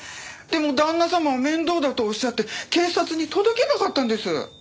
でも旦那様は面倒だとおっしゃって警察に届けなかったんです。